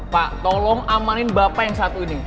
pak tolong amanin bapak yang satu ini